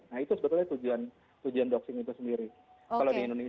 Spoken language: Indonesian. nah itu sebetulnya tujuan doxing itu sendiri kalau di indonesia